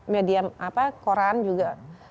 media apa koran juga